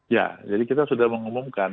ya jadi kita sudah mengumumkan